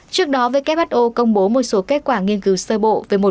trước đó who công bố một số kết quả nghiên cứu sơ bộ